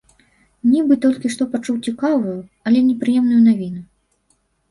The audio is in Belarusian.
Нібы толькі што пачуў цікавую, але непрыемную навіну.